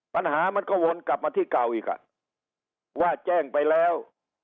ปัญหามันก็วนกลับมาที่เก่าอีกอ่ะว่าแจ้งไปแล้ว